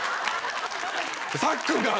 さっくんが！